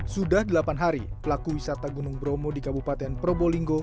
sudah delapan hari pelaku wisata gunung bromo di kabupaten probolinggo